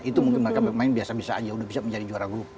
itu mungkin mereka bermain biasa biasa aja udah bisa menjadi juara grup